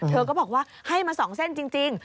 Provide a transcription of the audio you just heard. เธอก็บอกว่าให้มา๒เส้นจริง